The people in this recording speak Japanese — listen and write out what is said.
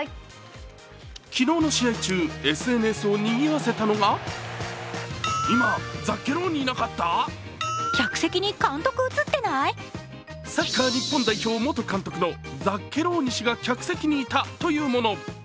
昨日の試合中ＳＮＳをにぎわせたのがサッカー日本代表元監督のザッケローニ氏が客席にいたというもの。